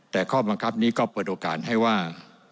แต่ข้อบังคับนี้ก็เปิดโอกาสให้ว่า